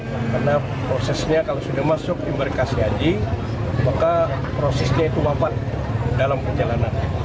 karena prosesnya kalau sudah masuk embarkasi haji maka prosesnya itu wafat dalam perjalanan